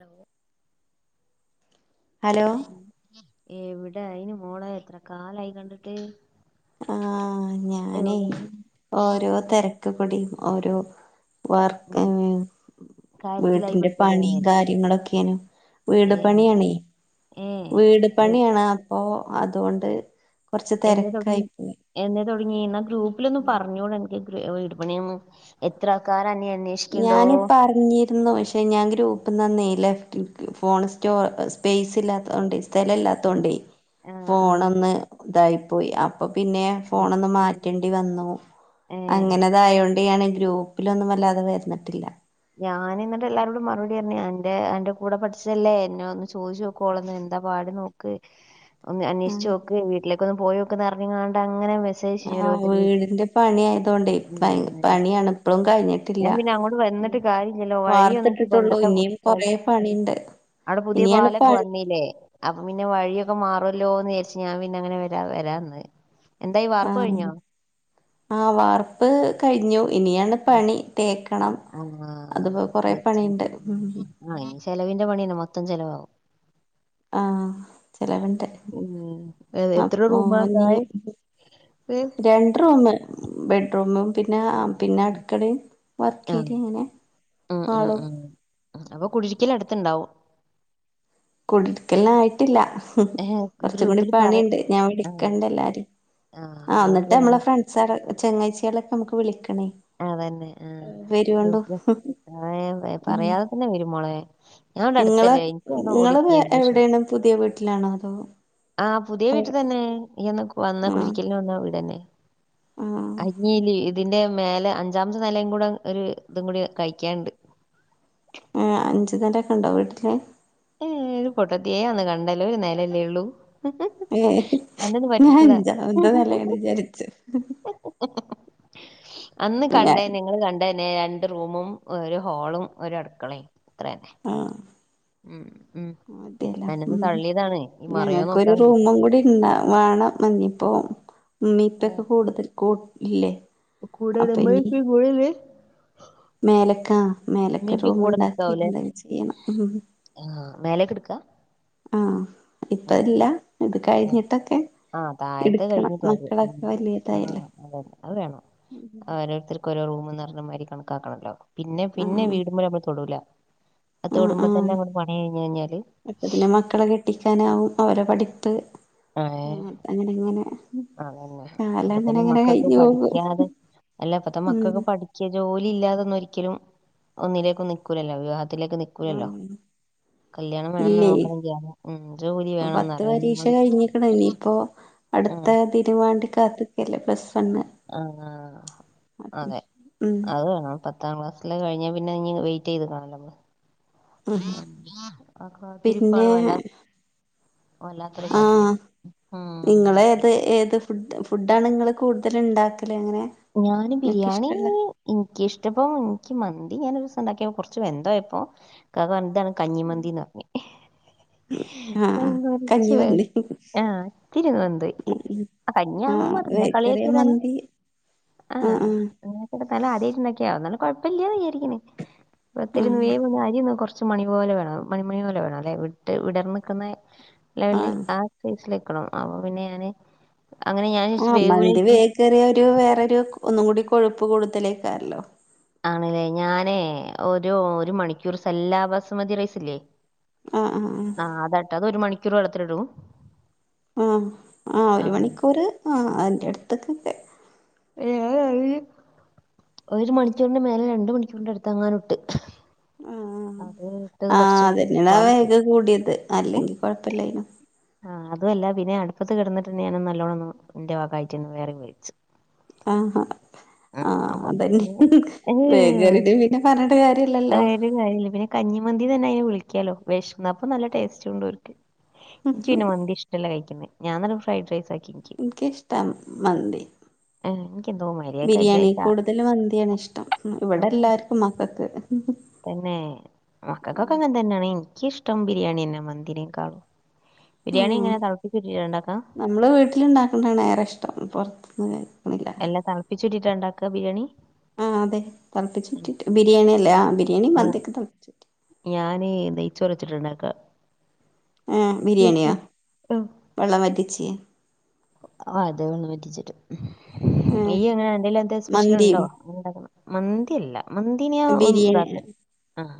Hello hello എവിടെ അയിന് മോളെ എത്ര കാലായി കണ്ടിട്ട് ആ ഞാനേ എവിടെ ഓരോ തിരക്ക് കുടിയും ഓരോ വർ കാര്യത്തിലായി വീട്ടിന്റെ പെട്ടില്ലേ പണിയും കാര്യങ്ങളൊക്കെനും വീട് ഏ പണിയണെ ഏ വീട് എ- പണിയാണ് അപ്പൊ അതുകൊണ്ട് കൊറച്ച് തിരക്കായി പോയി ഏ ന്ന ഗ്രൂപ്പിലൊന്ന് പറഞ്ഞൂടെ അനക്ക് വീട് പണിയാന്ന് എത്ര ആൾക്കാര അന്നെ അന്വേഷിക്കണ്ടോ ഞാൻ പറഞ്ഞിരുന്നു പക്ഷെ ഞാൻ ഗ്രൂപ്പ്ന്ന് അന്നെ ലെഫ് ഫോൺ സ്റ്റോ സ്പേസ് ഇല്ലാത്തൊണ്ട് ഉം. ലല്ലാത്തോണ്ടേയ് ആ ആ ഫോൺ ഒന്ന് ഇതായി പോയി അപ്പൊ പിന്നെ ഉം, ഫോണ് ഒന്ന് ഉം. മാറ്റേണ്ടി വന്നു ഏ അങ്ങനെതായോണ്ടാണ് ഗ്രൂപ്പിലൊന്നും വല്ലാതെ വരന്നിട്ടില്ല ഞാന് എന്നിട്ടെല്ലാരോടും മറുപടി പറഞ്ഞു അന്റെ അന്റെ കൂടെ പഠിച്ചതല്ലേ എന്നെ ഒന്ന് ചോദിച്ചു നോക്കോ ഓള് എന്താ പാട് നോക്ക് അന്വേഷിച്ചു ആഹ് നോക്ക് വീട്ടിലേക്കൊന്ന് പോയി നോക്ക് അറിഞ് [unintelligible] ആഹ വീടിന്റെ പണി ആയതൊണ്ടേ പ ഓരോരുത്തര് പണിയാണ് ഇപ്പഴും കഴിഞ്ഞിട്ട് ഇല്ല ഞാൻ പിന്നെ അങ്ങോട്ട് വന്നിട്ട് കാര്യമില്ലല്ലോ വഴിയൊന്നും എനിക്ക് വാർത്തിട്ടിട്ടൊള്ളൂ പണ്ടത്തെ പോ- ഇനിയും കൊറേ പോലത്തെ പണിയുണ്ട് അവിടെ പുതിയ പാലൊക്കെ വന്നില്ലേ അപ്പം പിന്നെ വഴിയൊക്കെ മാറല്ലോന്ന്ചരിച്ചു ഞാൻ പിന്നെ അങ്ങനെ വരാ വരാന്ന് എന്തായി ആ വാർപ്പ് കഴിഞ്ഞോ ആ വാർപ്പ് കഴിഞ്ഞു ഇനിയാണ് പണി തേക്ക് ആ [unintelligible] ഉം ചെലവിന്റെ പണി തന്നെ മൊത്തം ചെലവാകും ആഹ് ചെലവുണ്ട് ഉം എത്ര അപ്പൊ റൂമാ നീ താഴെ രണ്ട് റൂമ് ബെഡ്റൂമും പിന്ന പിന്ന ഉം. അടുക്കളേം ആ വർക്കേരിയേം അങ്ങനെ ഉം, ഉം, ഹാളും ഉം. [unintelligible] അടുത്തുണ്ടാവും കുടുക്കല്ലായിട്ടില്ല കൊർച്ച്‌ കൂടി ഗ്രൂപ്പിൽ പറ പണിയിണ്ട് ഞാ വിളിക്കണ്ടെല്ലാരേം ആ ഗ്രൂപ്പിൽ ന്നിട്ട് എന്നാ നമ്മളെ ഫ്രണ്സ്സാളെ ചെങ്ങാഴ്ച്ചാളെക്കെ നമ്മക്ക് അതന്നെ ആ വരുവോണ്ടു [unintelligible] ഉം പറയാതെ തന്നെ വരും മോളെ ഞാൻ ഇവിടെ നിങ്ങള് അടുത്തല്ലേ എനിക്ക് അവിടെ നിങ്ങള് ഓടിത്തിയായിരുന്നു പക്ഷെ എവിടെയാണ് പുതിയ വീട്ടിലാണോ അതോ ആ പുതിയ പഴ വീട്ടിൽ തന്നെ അന്ന് ഇയ്യ് അന്ന് വന്ന ആഹ് കുടിട്ക്കൽന് വന്ന വീടന്നെ ആഹ് [unintelligible] ഇതിന്റെ മേലെ അഞ്ചാമ്ത്തെ നെലേം കൂടെ ഒരു ഇതും കൂടി കൈകായ്ണ്ട് ആ അഞ്ചുനെലയ്കൊണ്ടോ വീട്ടില് ഏ ഒരു പൊട്ടത്തിയേ അന്ന് കണ്ടല്ലെ ഒരു നെലയല്ലെ ഒള്ളൂ ഏഹ് ഞാ അഞ്ചാമത്തെ നെലയാണ് വിചാര്ച്ച്. അന്ന് കണ്ടെന്നെ ഇങ്ങള് കണ്ടെനെ രണ്ട് റൂമും ഒരു ഹോളും ഒര് അട്ക്കളേം. അത്രേന്നെ. ഉം. മതിയല്ലാ അന്നൊന്ന് ഉം. തള്ളിയതാണ് ഈ മറയോ ഞങ്ങക്കൊരു നോക്കാൻ വേണ്ടിട്ട് റൂമും കൂടി ഇണ്ടാ വാണം ഇഞ്ഞിപ്പോ ഇമ്മീ ഇപ്പെക്കെ കൂടുതല് കൂട്ട് ഇല്ലേ. കൂടെല്ലെ അപ്പൊ ഇമ്മീം ഇനി ഇപ്പിം കൂടല്ലെ. മേലക്കാ മേലക്കൊരു റൂമുണ്ടാക്കി എന്തെങ്കിം ചെയ്യണം. ആഹ് മേലേക്ക് എടുക്കാ ആഹ് ഉം ഇപ്പല്ല. ഉം ഇത് ആഹ് കൈഞ്ഞിട്ടൊക്കെ. ആഹ് തായത്തെ കൈഞ്ഞിട്ടാതി. ഉം ആ വലിയതായല്ലേ അതെ അയ് വേണം. ഓരോര്ത്തർക്കും ഓരോ റൂമ് ന്നർഞ്ഞമായ്രി കണക്കാക്കണല്ലോ. പിന്നെ പിന്നെ ആഹ് വീടുമ്മല് നമ്മള് തൊടൂല. അത് ആഹ് തൊടുമ്പോ തന്നെ ആഹ് അങ്ങോട്ട് പണി കഴിഞ്ഞ് കഴിഞ്ഞാല് അപ്പത്തിന് മക്കളെ കെട്ടിക്കാനാവും. അവരെ പഠിപ്പ് അങ്ങനങ്ങനെ. അങ്ങന്നെ. അപ്പ പിന്നെ മക്കക്ക് പോകും പഠിക്കാതെ അല്ലപ്പത്തെ ഉം മക്കക്ക് പഠിക്ക ജോലി ഇല്ലാതൊന്നു ഒരിക്കലും ഒന്നിലേക്ക് നിക്കൂലല്ലോ. വിവാഹ ത്തിലേക്ക് നിക്കൂലല്ലോ? ഉം കല്യാണം വേണന്ന് ഇല്ലേ നോക്കണങ്കി ഉം ജോലി ഇപ്പൊ പത്ത് വേണന്നറിയും പരീക്ഷ കഴിഞ്ഞിക്കണ് ഇനിയിപ്പോ അടുത്ത തിരുവാണ്ടി കാത്ത്ക്കല്ലേ ബസ് ആ അതെ അഡ്മിഷൻ. ഉം അത് വേണം പത്ത് പത്താം ക്ലാസിലെ കഴിഞ്ഞാ പിന്നെ ഇനി വെയിറ്റ് ചെയ്ത് നിക്കണോലെ നമ്മള് ഉം [inaudible] ആ പിന്നെ കാത്തിരിപ്പാണ് വല്ലാത്ത - ഓ വല്ലാത്തൊരു ആഹ് കാത്തിര്പ്പ് ആഹ് നിങ്ങള് ഉം ഏത് ഏത് ഫുഡ് ഫുഡാണ് ഇങ്ങള് കൂടുതല് ഇണ്ടാക്- ഞാന് ബിരിയാണി എനിക്ക് ഇഷ്ട്ടം ഇപ്പൊ മന്ത - ഇത് ഞാനൊരുദെവസം ഒണ്ടാക്കിയപ്പോൾ കൊറച്ച് വെന്ത്‌ പോയപ്പൊ ഇക്കാക്ക പറഞ്ഞു ഇതാണ് കഞ്ഞിമന്തിന്ന് പറഞ് ആഹ് ആ ആഹ് കൊ [unintelligible] റച് വെ കഞ്ഞിമന്തി ആ ഇത്തിരി വെന്ത്പോയ്‌ ആ കഞ്ഞി ആന്നാ ആഹ് പറഞ്ഞെ ബേക്കറി കളിയാക്കിയ്താണോ മന്തി ആ ആഹ് ആഹ് [unintelligible] ആദ്യയ്ട്ടിണ്ടാക്കിയാ എന്നാലും കൊഴ്പ്പില്ല്യന്ന് വിയാരിക്ക്ന്ന് ഒത്തിരിന്ന് ആഹ് വേവ്ഒന്നു അരിയൊന്ന് കൊറ്ച്ച് മണി പോലെ വേണം മണിമണി പോലെവിട്ട് വിടർനിക്കുന്നെ ലെവല് ആഹ് ആ സയിസിലിക്കണം അപ്പ പിന്നെ ഞാന്- അങ്ങനെ ഞാൻ ആ വിചാരിച്ച് മന്തി വേവൂലായിരിക്കും ബേക്കേറിയ ഒരു വേറൊരു ഒന്നും കൂടി കൊഴുപ്പ് കൂടുതലേക്കാര്ല്ലോ ആണില്ലേ ഞാനേ ഒരു ഒരു മണിക്കൂറ് സെല്ലാ ബസുമതി റൈസില്ലേ ആഹ് ആഹ് ആ - ആ അതാട്ടോ അതൊരു മണിക്കൂറ് വെള്ളത്തിലിടും ആ ഹ് ആ ഒരു മണിക്കൂറ് ആ അതിന്റെട്ത്തക്കൊക്കെ അതെ [unintelligible] ഒരു മണിക്കുറിനു മേലെ രണ്ട് മണിക്കൂറിന്റ അടുതങ്ങാണ്ട് ഒണ്ട് ആ അത് തന്നെയാണ് പാളിപ്പോയി. വേഗ് കൂടിയത് അല്ലെങ്കി കൊഴപ്പല്ലേയ്ന്നു ആ അതുയല്ല പിന്നെ അടുപ്പത്ത് കെടന്നിട്ട്ണ്ടങ്കി ഞാനൊന്ന് നല്ലോണൊന്ന് ന്റെ ഭഗയി [unintelligible] ട്ട്ന്ന് വേറേം വേയ്ച്ചും ആഹ ഹാ ആ അപ്പം അതന്നെ പിന്നെ ഹ് ഹ് വേഗ് ഏഹ്, കേട്ടിട്ട് പിന്നെ പറഞ്ഞിട്ട് ആ, കാര്യല്ലല്ലോ ഒരു കാര്യല്ല. പിന്നെ കഞ്ഞിമന്തി തന്നെ അയിനെ വിളിക്കലോ വിശന്നപ്പൊ നല്ല ടേസ്റ്റ്ണ്ട് ഓല്ക്ക് എനിക്ക് പിന്നെ മന്തി ഇഷ്ടല്ല കഴിക്ക്‌ന്നെ ഞാന് തന്നെ ഫ്രൈഡ്രൈസ് ആക്കി എനിക്ക് ഇഷ്ട്ടം മന്തി ഏഹ് എനിക്കെന്തോ മാതിരി. അത് കഴിക്കാൻ ബിരിയാണി വെച്ചാ കൂടുതലും മന്തി ആണ് ഇഷ്ടം. ഇവിടെ എല്ലാർക്കും മക്കക്ക് തന്നേ മക്കക്കൊക്കെ അങ്ങെൻ തന്നേണ്. എനിക്കിഷ്ടം ബിരിയാണിന്നെ മന്തീനെക്കാളും ഉം നമ്മള് വീട്ടിലിണ്ടാക്കണതാണ് ഏറെ ഇഷ്ടം പൊറത്തുന്ന് എല്ല തെളപ്പിച്ചൂറ്റീട്ട എണ്ടാക്കാ ബിരിയാണി. ആഹ് അതെ ഉം. തെളപ്പിച്ചൂറ്റീട്ട് ബിരിയാണി അല്ലേ ആഹ് ബിരിയാണീം മന്തിക്കെ തെളപ്പിച്ചൂറ്റി നെയ് നെയ്ച്ചോറ് വെച്ചിട്ടാ ഇണ്ടാക്കാ ആഹ് ബിരിയാണിയാ വെള്ളം വറ്റിച്ച് ആഹ് അത് വെള്ളം വറ്റിച്ചിട്ട്. ഏ ഇയ്യ് എങ്ങനേ എന്തേലും എന്ത് മന്തിയും സ്പെഷ്യലിണ്ടോ എങ്ങനെണ്ടാക്കിന്നെ. മന്തിയല്ല. മന്തിനാ ഉം ബിരിയാണി ഇതാക്കും ആഹ്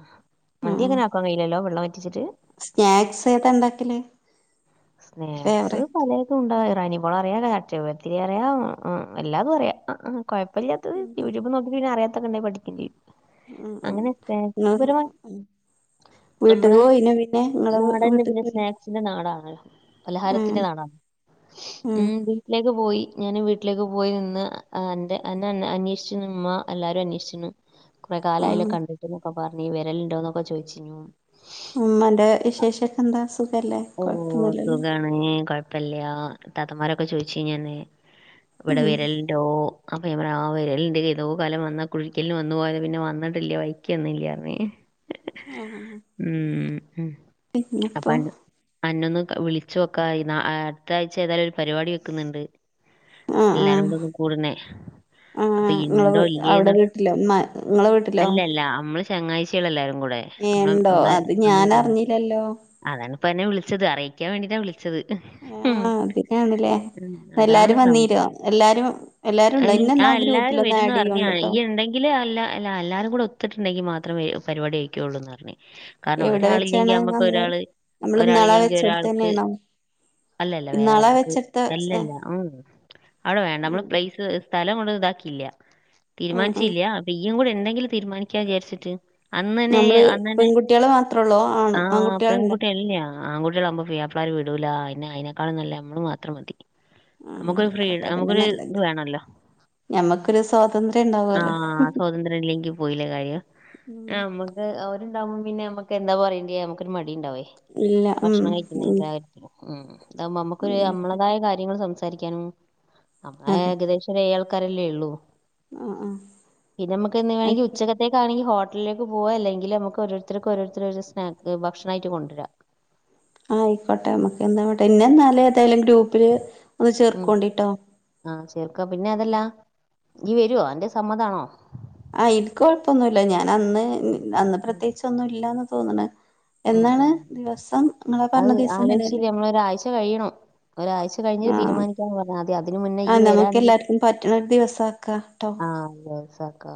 ആ മന്തി അങ്ങനെ ആക്കാൻ കഴിയില്ലല്ലൊ വെള്ളം വറ്റിച്ചിട്ട് സ്നാക്സ് ഏതാ ഇണ്ടാക്കല് സ്നാക്സ് പലതുണ്ടാ [unintelligible] ചട്ടിപത്തിരി അറിയാ അഹ് ആഹ് എല്ലാതും അറിയാ അഹ് ആഹ് കൊഴപ്പില്ലാത്തത് ഉം യൂട്യൂബ് നോക്കിട്ട് പിന്നറിയാ ത്തതെണ്ടങ്കിൽ പഠിക്കും ചെയ്യും ഉം അങ്ങനെ സ്നാക്സ് നിങ്ങള് പരമായ് വീട്ടിക്ക് ഞമ്മളെ പോയിനോ പിന്നെ നിങ്ങളെ നാടന്നെ വീട്ടിക്ക് പിന്നെ പോയി സ്നാക്സിന്റെ നാടാണല്ലോ ആ പലഹാരത്തിന്റെ നാടാണ് ആ ഉം വീട്ടിലേക്ക് പോയി ഞാന് വീട്ടിലേക്ക് പോയിനിന്ന് അഹ് അന്റെ അന്റന്നെ അന്വേഷിച്ചുമ്മ എല്ലാരും അന്വേഷിച്ചണ് കൊറെ ആ കാലായ്ലെ കണ്ട്ട്ട്ന്നൊക്കെ പറഞ്ഞ് വെരലിണ്ടോന്നൊക്കെ ചോയ്ച്ചിഞ്ഞു ഉമ്മാന്റെ വിശേഷക്കെ എന്താ സുഖല്ലേ ഓ കൊഴപ്പൊന്നുല്ല സുഖാണ് കൊഴപ്പില്ല്യാ ഇത്താത്തമാരൊക്കെ ചോയ്ച്ചീനു അന്നേ ഇവട ഉം വെരലിണ്ടോ അപ്പ ഞാൻപറഞ്ഞു ആഹ് വരലിണ്ട് ഏതോ കാലം വന്നാ കുടീരിക്കൽന് വന്നു പോയതാ പിന്നെ വന്നിട്ടില്ല വഴിക്ക് വന്നില്ല്യാന്ന് ആ ഉം ഉം അപ്പ പിന്നെപ്പോ അന്ന അന്നൊന്ന് വിളിച്ചോക്കാ ‌ അയ് ആഹ് അട്ത്തായ്ച്ച ഏതായാലും ഒരു പരിപാടി വെക്ക്ന്നിണ്ട്. ആ ആ എല്ലാരുംകുടെ ഒന്ന് കൂടണെ ആഹ് അപ്പൊ ഇങ്ങളെ ഇണ്ടോ വീ അവിടെ ഇല്ല്യേന്നെള്ള വീട്ടിലോ ഉമ്മ ഇങ്ങളെ വീട്ടിലോ അല്ലെല്ലാ അമ്മള് ചെങ്ങായിച്ചേളെല്ലാരും കുടെ ഏഹ് മ്മള് ഇണ്ടോ മ്മള് അത് മ്മള് ഞാൻ ഗാങ് അറിഞ്ഞില്ലല്ലോ അതാണ്പ്പന്നെ വിളിച്ചത് അറിയിക്കാൻ വേണ്ടിട്ടാ വിളി ച്ചത് ആഹ് അതിനാണ്ല്ലേ അതാണ് എല്ലാരും വന്നീരോ സംഭവം എല്ലാരും എല്ലാരും ഉണ്ടോ അയിൽ ഉം ഇന്നെന്നാ ആഹ് ആ എല്ലാരും ഗ്രൂപ്പിലൊന്ന് വരുന്ന് ആഡ് പറഞ്ഞാണ് ചെയ്യോണ്ടുട്ടോ ഇയ്യ്ണ്ടെങ്കില് അല്ല ല എല്ലാരും കൂടൊത്ത്ട്ട്ണ്ടെങ്കി മാ ത്രവേ പരിപാട് ക്കൊയെള്ളൂന്നർഞ്ഞ് കാരണം എവിടെ ഒരാള്ല്യെങ്കി വെച്ചാണ് നമ്മക്ക് ഒരാള് ഒരാളില്ലെങ്കി ഒരാൾ ന്നേണോ അല്ലല്ല വേറെ നമ്മക്ക് അല്ലല്ല ഉം ഉം അവിടെ വേണ്ട നമ്മള് ആഹ് പ്ലെയ്സ് സ്ഥലം ങ്ങൊട് ഇതാക്കിയില്ല്യ ആഹ് ആഹ് തീരുമാനിച്ചില്ല്യ അപ്പൊ ഇയ്യും കൂടെ ഇണ്ടെങ്കിൽ തീരുമാനിക്കാ വിചാരിച്ചിട്ട് അന്നനേ നമ്മള് അന്നനെ പെൺകുട്ടികള് മാത്രൊള്ളൂ ആണ് ആഹ് ആൺകുട്ടികളുണ്ടോ പെൺകുട്ടിയല്ല്യ ആകുട്ട്യളാമ്പൊ പുയാപ്പളാര് വിടൂലാ വിന്നെ അയ്നേക്കാളും നല്ലത് നമ്മള് മാത്രം മതി. ആഹ് നമുക്കൊരു ഫ്രീ ആയിക്കോട്ടെ അതന്നെ നമ്മക്കൊരു ത് നല്ലത് വേണല്ലോ ഞമ്മക്കൊരു സ്വാതന്ത്ര്യം ഉണ്ടാവല്ലോ ആഹ് സ്വാതന്ത്രല്ല്യെങ്കി പോയിലേ കാര്യം ഉം നമ്മക്ക് ഓര് ണ്ടാവുമ്പൊ പിന്നെ നമ്മക്ക് എന്താ പറയണ്ടിയെ നമ്മക്കൊരു മടിണ്ടാവേ ഇല്ല ഉം ഭക്ഷണം കഴിക്കുന്ന ഉം എല്ലാ കാര്യത്തിലും ഉം ഇതാവുമ്പ നമ്മക്കൊരു അങ്ങനെ നമ്മളതായ കാര്യങ്ങൾ സംസാരിക്കാനും നമ്മളെ അതെ ഏകദേശര് ഏഴ ക്കാരെല്ലേള്ളൂ ആഹ് ആഹ് പിന്നെ മ്മക്കെന്നെ വേണങ്കി ആയിക്കോട്ടെ ഉച്ചക്കത്തേക്കാണെങ്കി ഹോ ട്ടലിലേക്ക് പോവാ അല്ലെങ്കില് നമ്മക്ക് ഓരോരുത്തര്ക്ക് ഓരോരുത്തര് ഓരോ സ്നാക്ക് ഭക്ഷണായിട്ട് കൊണ്ട്ര ആയിക്കോട്ടെ നമുക്ക് ഇന്നാ ഹോട്ട ഇന്നെന്നാല് ഏതായാലും ഗ്രൂപ്പില് ഒന്ന് ഉം ചേർക്കോണ്ടിട്ടോ ഇജ് വരോ അന്റത് സമ്മതാണോ ആഹ് ഇനിക്ക് കൊഴപ്പൊന്നുല്ല ഞാൻ അന്ന് അന്ന് പ്രത്യേകിച്ച് ഒന്നും ഇല്ലാന്ന് തോന്ന്ണ്. ഉം എന്നാണ് ആം. ദിവസം ഇങ്ങളാ അത് പറഞ്ഞ ദിവസം തന്നെയല്ലേ ആലോയ്ല്ല്യ നമ്മള് ഒരാഴ്ച കഴിയണം ഒരാഴ്ച കഴിഞ്ഞ് ആഹ് തീരുമാനിക്കാന്ന് പറഞ്ഞാദ്യം അതിന് മുന്നേ ആഹ് ഇയ്യ് നമുക്ക് വരാണെങ്ങി എല്ലാർക്കും പറ്റ്ണ ഒരു ദിവസാക്കാ ട്ടോ ആഹ് ആലോയ്ച്ചോക്കാ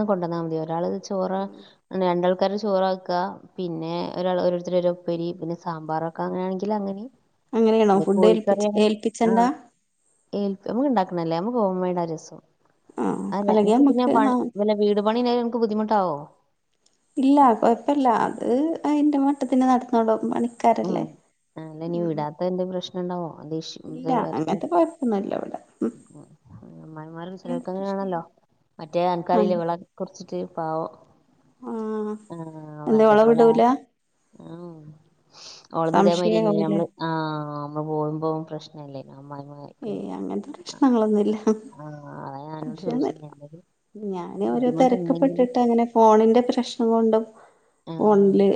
[unintelligible] [unintelligible] കൊണ്ടന്നാ മതി ഒരാള് ചോറ് രണ്ടാൾക്കാര് ചോറാക്ക. പിന്നെ ഒരാൾ ഓരോരുത്തരുപ്പേരി പിന്നെ സാമ്പാറൊക്കെ അങ്ങനെയാണെങ്കിൽ അങ്ങനേം. അങ്ങനെയാണോ [unintelligible] ഫുഡ് കോഴിക്കറി ഏൽപ്പിച്ച് ആണെങ്കിൽ ഏൽപ്പിച്ചണ്ട [unintelligible] [unintelligible] രസം ആഹ് അല്ല അല്ലെങ്കി അനക്ക് പിന്നെ നമ്മക്ക് പണി ആഹ് വല്ല വീട് പണി [unintelligible] അനക്ക് ബുദ്ധിമുട് ട്ടാവോ? ഇല്ല കൊഴപ്പില്ല അത് അതിന്റെ മട്ടത്തിന് നടന്നോളും ഉം പണിക്കാരല്ലേ. ആ അല്ല ഇനി ഉം വിടാത്തന്റെ പ്രശ്നം ഇണ്ടാവോ ഇല്ല അങ്ങനത്തെ കൊഴപ്പൊന്നുല്ല ഇവിടെ ഉം [unintelligible] അമ്മായിമ്മാരും കിട്ടാൻ ചെലർക്കങ്ങനെയാണല്ലോ പ്രശ്നമില്ല മറ്റേ ആനക്കറിയില്ലേ ആഹ് വിളെ കുറിച്ചിട്ട് പാവം. ആഹ് എന്താ ഓള അതേപോലെ വിടൂല. ആ- ആഹ് ഓളത് ഇതെ മാരി ആയിന് സംശയാവൂലേ നമ്മള് ആഹ് നമ്മള് പോകുമ്പോ പ്രശ്നല്ലേ. അമ്മായിമാർക്ക് ഏയ് അങ്ങനത്തെ പ്രശ്നങ്ങളൊന്നുല്ല. അത ഞാനോട് സംശയൊന്നുല്ല ചോദിച്ചെ [unintelligible] ഞാന് ഓരോ തെരക്ക്പ്പെട്ടിട്ട് അങ്ങനെ ഫോണിന്റെ പ്രശ്നം കൊണ്ടും ആഹ് ഫോണില്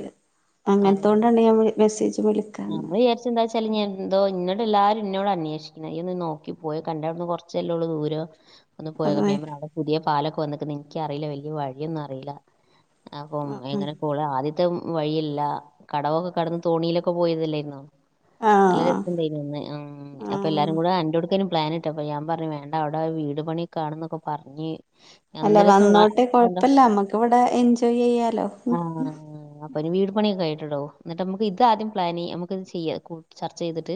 അങ്ങനത്ത കൊണ്ടാണ് ഞാൻ വി മെസ്സേജ് വിളിക്കാന്ന് ഞമ്മള് വിചാരിച്ച് എന്താ വെച്ചാല് ഇനി എന്തോ [unintelligible] എല്ലാരും ന്നോട് അന്വേഷിക്കണ് നീയോന്ന് നോക്കി പോയി കണ്ടവിട്ന്ന് കൊറച്ചല്ലേ ഒള്ളൂ ദൂരോ ഒന്ന് പോയി [unintelligible] അപ്പ അതായി ഞാൻ പറഞ്ഞ് അവിടെ പുതിയ പാലൊക്കെ വന്ന്ക്ക്ന്ന് എനിക്കറിയില്ല വലിയ വഴിയൊന്നും അറിയില്ല. അപ്പം ആഹ് ആഹ് എങ്ങനെ [unintelligible] ആദ്യത്തെ വഴിയില്ല കടവൊക്കെ കടന്ന് തോണിലൊ ക്കെ പോയതല്ലെര്ന്നോ നല്ല ആഹ് രസണ്ടായിരുന്നു ആഹ് അപ്പ എല്ലാരും ആഹ് കൂടെ ആന്റടുക്കുനു പ്ലാനിട്ടപ്പ ഞാൻ പറഞ്ഞു വേണ്ട അവിടെ വീട് പണിക്കെ ആണ്ന്നൊക്കെ പറഞ്ഞ് അല്ല അന്ന് രസം ആ വന്നോട്ടെ കണ്ടോ കൊഴപ്പല്ല, മ്മക്ക് ഇവിടെ എൻജോയ് ചെയ്യാലോ. ആഹ് [unintelligible] വീട് പണിയൊക്കെ കയിട്ടെടോ എന്നിട്ട് നമ്മുക്ക് ഇത് ആദ്യം പ്ലാന് നമുക്ക് ഇത് ചെയ്യ കു ചർച്ച ചെയ്തിട്ട്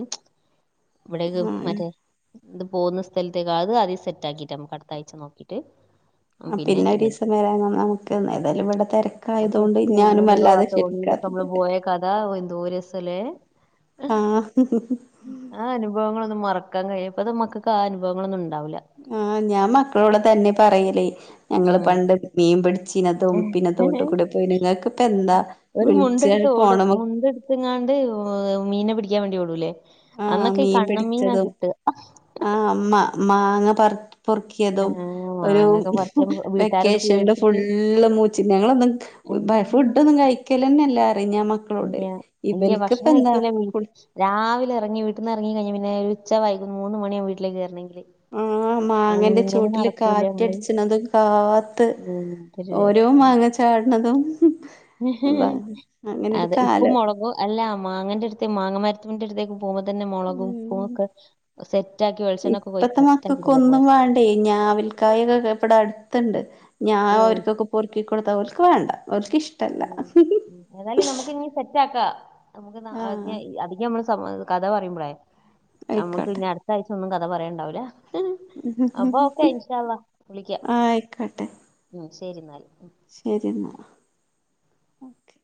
ഇവിടെക്കെ ആഹ് മറ്റേ ഇത് പോകുന്ന സ്ഥലത്തേക്ക് അത് ആദ്യം സെറ്റ് ആക്കിട്ട് നമുക്ക് അടുത്ത ആഴ്ച നോക്കിയിട്ട് ആ പിന്നെ ഒരുസം വര ന നമുക്ക് ഏതായാലും ഇവിടെ തെരക്കായതുകൊണ്ട് ഇ ഞാനും വല്ലാതെ [unintelligible] പ്പൊ ഞമ്മള് പോയ കഥ എന്തോര് സലെ ആഹ് ആ അനുഭവങ്ങ മറക്കാ കയ്യോ ഇപ്പത്തെ മക്കക്ക് ആ അനുഭവങ്ങളൊ ആ ഞാൻ മക്കളോട് തെന്നെ പറയല് ഞങ്ങള് ഉം പണ്ട് മീൻ പിടിച്ചീനതും പിന്നെ തോട്ട് കൂടെ പോയി നിങ്ങൾക്ക് ഇപ്പ എന്താ ഒരു വിളിച്ചാൽ മുണ്ട്ട്ത്തോടും പോണം മുണ്ട്ത്ത്ങ്ങാ മീനെ പിടിക്കാൻ വേണ്ടി ഓടൂല്ലേ അന്നൊക്കെ ഈ കണ്ണൻ മീനാ കിട്ട ആ മ മ മാങ്ങ പ ഏ, പൊറുക്ക്യേതും ഒരു മാങ്ങൊക്കെ പറിക്കാൻ വീട്ടുകാരോട് വെക്കേഷൻല് പേടിച്ചിട്ട് ഫുള്ള് മൂച്ചി ഞങ്ങളൊന്നും ഉം. ഫുഡൊന്നും ക കയ്ക്കെലെന്നെല്ല ഇല്ല ഇല്ല ഭക്ഷണം കഴിക്കൂല എന്താ വീട്ട് രാവിലെ എറങ്ങി വീ ട്ട്ന്ന് എറങ്ങി കയ്ഞ്ഞ പിന്നെ ഒരു ഉച്ച വൈക മൂന്ന് മണിയാവും വീട്ടിലേക്ക് വെരണെങ്കില് അ മാങ്ങന്റെ ചോട്ടില് കാറ്റടിച്ച്ണതും കാത്ത് ഉം, എന്തൊരു ഓരോ മാങ്ങ ചാ ചാട്ണതും അതാണ് അങ്ങനൊരു അത് ഉപ്പും കാലം മൊളകും അല്ല മാങ്ങന്റെട്ത്ത് മാങ്ങ മരത്തിന്റെടുത്തേക്ക് പൊമ്പത്തെന്നെ മൊളകും പ്പു ഉം ഒക്കെ സെറ്റാക്കി വെളിച്ചെണ്ണൊക്കെ പോയി സെറ്റാക്കിറ്റല്ലെ പോവാ അവിൽക്കായ്ണ്ട് ഇവടെ അട്ത്ത്ണ്ട് ഞാൻ ഉം, ഓൽക്കൊക്കെ പൊറുക്കിക്കൊടുത്ത ഓൽക്ക് വാണ്ട [unintelligible] ഏതായാലും നമക്കിനി സെറ്റാക്ക നമുക്ക് ആഹ് [unintelligible] കഥ പറയുമ്പളേ ആയിക്കോട്ടെ ഞമ്മുക്ക്ഞ്ഞി അടുത്താഴ്ചൊന്നും കഥ പറയണ്ടാവൂലേ ഉം അപ്പ ഓക്കെ ഇൻശാ അള്ളാ വിളിക്ക ആഹ് ഉം ശെരി ന്നാല് ശെരി ന്നാ ഓക്കെ